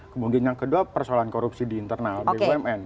kemudian yang kedua persoalan korupsi di internal bumn